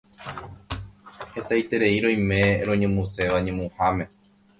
Hetaiterei roime roñemuséva ñemuháme